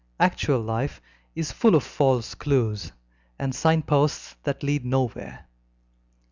Actual life is full of false clues and sign posts that lead nowhere.